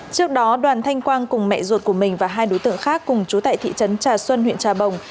trước đó đoàn thanh quang cùng mẹ ruột của mình và hai đối tượng khác cùng chú tại thị trấn trà xuân huyện trà bồng